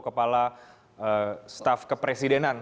kepala staf kepresidenan